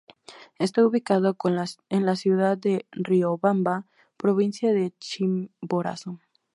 Está ubicado en la ciudad de Riobamba, provincia de Chimborazo.